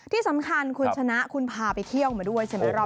ที่สำคัญคุณชนะคุณพาไปเที่ยวมาด้วยใช่ไหม